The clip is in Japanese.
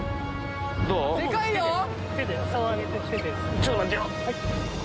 ちょっと待ってよ。